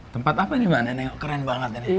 tempat apa ini mas neneng keren banget ini